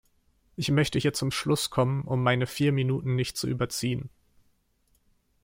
Ich möchte hier zum Schluss kommen, um meine vier Minuten nicht zu überziehen.